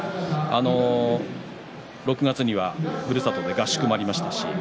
６月にはふるさとで合宿もありました。